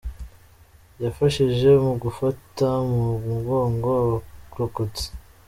Yafashije mu gufata mu mugongo abarokotse.